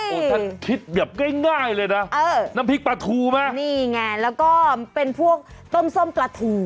ถ้าคิดแบบง่ายเลยนะเออน้ำพริกปลาทูไหมนี่ไงแล้วก็เป็นพวกต้มส้มปลาทู